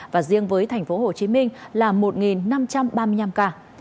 và riêng với tp hcm là một năm trăm ba mươi năm ca